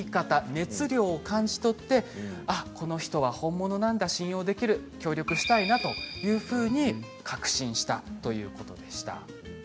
熱量を感じ取ってこの人は本物なんだ信用できる協力したいな確信したということでした。